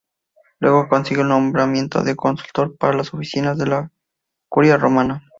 Luego siguió el nombramiento de consultor para otras oficinas de la Curia romana.